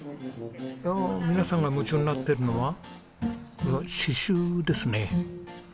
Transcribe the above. ああ皆さんが夢中になっているのは刺繍ですね。